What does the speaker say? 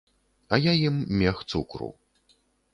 А я ім мех цукру.